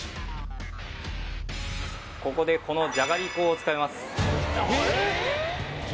ここでこのじゃがりこを使います